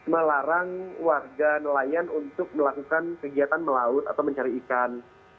melarang warga nelayan untuk melakukan kegiatan melaut atau mencari ikan